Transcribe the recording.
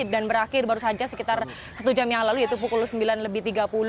dan berakhir baru saja sekitar satu jam yang lalu yaitu pukul sembilan lebih tiga puluh